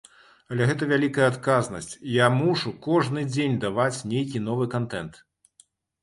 Але гэта вялікая адказнасць, я мушу кожны дзень даваць нейкі новы кантэнт.